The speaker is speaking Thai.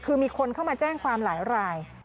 คือมีคนเข้ามาแจ้งความหลายราย